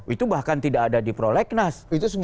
itu bahkan tidak ada di prolegnas